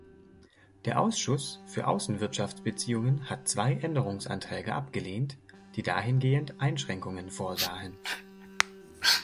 Der Ausschuss für Außenwirtschaftsbeziehungen hat zwei Änderungsanträge abgelehnt, die dahingehend Einschränkungen vorsahen.